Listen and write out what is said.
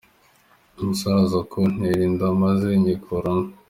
Umusore aza kuntera inda maze nyikuramo.